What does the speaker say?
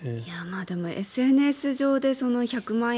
でも、ＳＮＳ上で１００万円